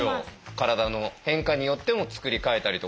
体の変化によってもつくり替えたりとか。